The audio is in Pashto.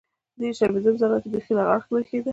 ډېر شرمېدم ځان راته بيخي لغړ بريښېده.